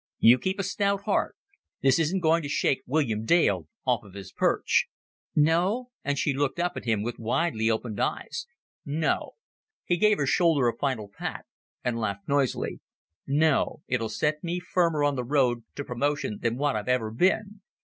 "You keep a stout heart. This isn't going to shake William Dale off of his perch." "No?" And she looked up at him with widely opened eyes. "No." He gave her shoulder a final pat, and laughed noisily. "No, it'll set me firmer on the road to promotion than what I've ever been.